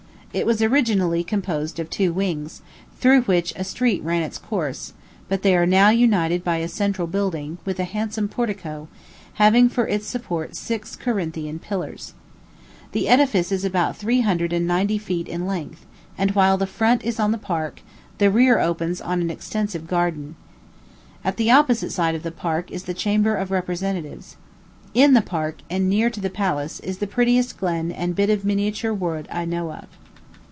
It was originally composed of two wings, through which a street ran its course; but they are now united by a central building, with a handsome portico, having for its support six Corinthian pillars. The edifice is about three hundred and ninety feet in length; and, while the front is on the Park, the rear opens on an extensive garden. At the opposite side of the Park is the Chamber of Representatives. In the Park, and near to the Palace, is the prettiest glen and bit of miniature wood I know of.